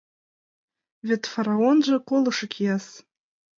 — Вет фараонжо колышо кияс.